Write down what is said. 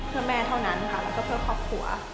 เพื่อแม่เท่านั้นค่ะแล้วก็เพื่อครอบครัว